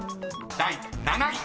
［第７位］